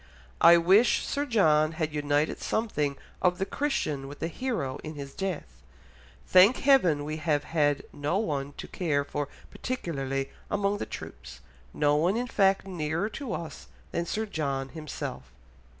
I wish Sir John had united something of the Christian with the hero in his death. Thank heaven we have had no one to care for particularly among the troops, no one in fact nearer to us than Sir John himself."